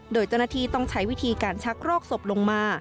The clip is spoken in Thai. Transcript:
โดยเจ้าหน้าที่ต้องใช้วิธีการชักรอกศพลงมา